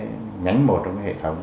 cái nhánh một trong cái hệ thống